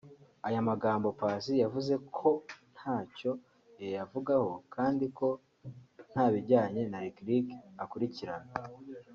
Aya magambo Paccy yavuze ko ntacyo yayavugaho kandi ko nta bijyanye na Lick Lick akurikirana